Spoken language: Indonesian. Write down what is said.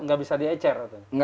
nggak bisa di ecer